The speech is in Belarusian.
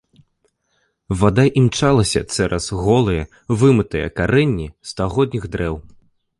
Вада імчалася цераз голыя, вымытыя карэнні стагодніх дрэў.